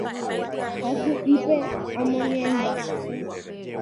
Hasy'ípe amoñe'ẽmba.